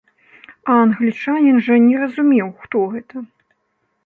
А англічанін жа не разумеў, хто гэта.